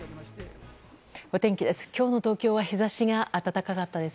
お天気です。